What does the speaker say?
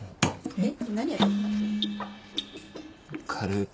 えっ？